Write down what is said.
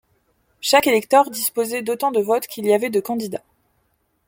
Chaque électeur disposait d'autant de votes qu'il y avait de candidats.